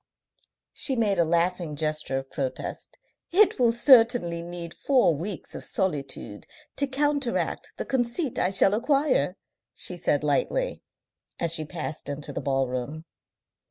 She made a laughing gesture of protest. "It will certainly need four weeks of solitude to counteract the conceit I shall acquire," she said lightly, as she passed into the ballroom.